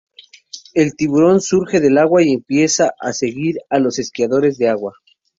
El tiburón surge del agua y empieza a perseguir a los esquiadores de agua.